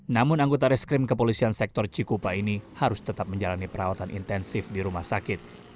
namun anggota reskrim kepolisian sektor cikupa ini harus tetap menjalani perawatan intensif di rumah sakit